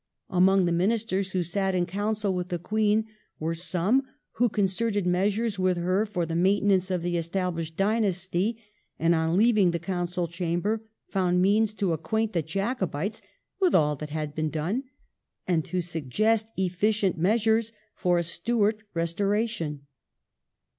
Among the Ministers who sat in council with the Queen were some who concerted measures with her for the maintenance of the established dynasty, and on leaving the council chamber found means to acquaint the Jacobites with all that had been done, and to suggest efficient measures for a Stuart restoration.